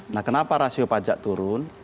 nah kenapa rasio pajak turun